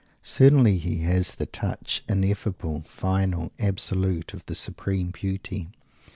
Certainly he has the touch, ineffable, final, absolute, of the supreme Beauty.